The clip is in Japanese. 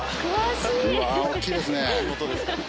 うわ大きいですね。